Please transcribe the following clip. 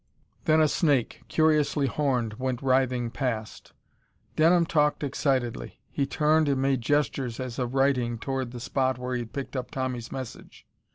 Then a snake, curiously horned, went writhing past.... Denham talked excitedly. He turned and made gestures as of writing, toward the spot where he had picked up Tommy's message.